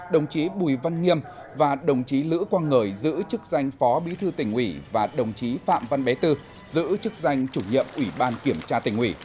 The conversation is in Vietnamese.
đồng chí bùi văn nghiêm và đồng chí lữ quang ngời giữ chức danh phó bí thư tỉnh ủy và đồng chí phạm văn bé tư giữ chức danh chủ nhiệm ủy ban kiểm tra tỉnh ủy